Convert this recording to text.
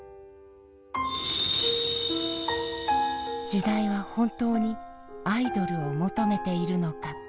時代は本当にアイドルを求めているのか。